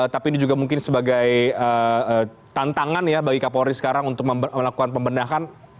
tapi ini juga mungkin sebagai tantangan ya bagi kapolri sekarang untuk melakukan pembenahan